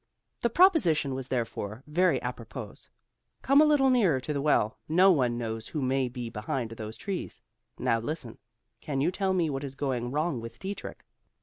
The proposition was therefore very apropos. "Come a little nearer to the well; no one knows who may be behind those trees. Now listen; Can you tell me what is going wrong with Dietrich?